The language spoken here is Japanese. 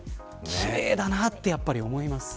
奇麗だなってやっぱり思います。